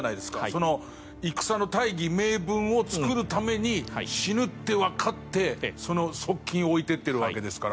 その戦の大義名分を作るために死ぬってわかってその側近を置いていってるわけですから。